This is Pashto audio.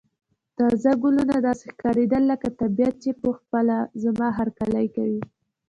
تازه ګلونه داسې ښکاریدل لکه طبیعت چې په خپله زما هرکلی کوي.